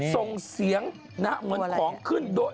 ส่งเสียงของขึ้น